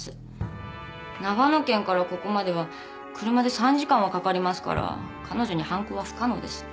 長野県からここまでは車で３時間はかかりますから彼女に犯行は不可能です。